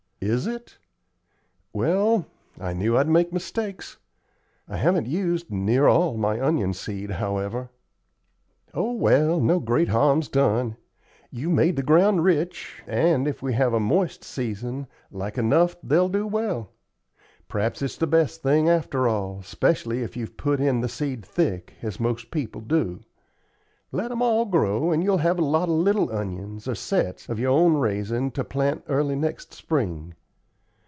"Is it? Well, I knew I'd make mistakes. I haven't used near all my onion seed yet, however." "Oh, well, no great harm's done. You've made the ground rich, and, if we have a moist season, like enough they'll do well. P'raps it's the best thing, after all, 'specially if you've put in the seed thick, as most people do. Let 'em all grow, and you'll have a lot of little onions, or sets, of your own raisin' to plant early next spring.